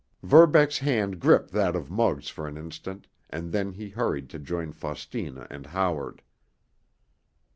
Verbeck's hand gripped that of Muggs for an instant, and then he hurried to join Faustina and Howard.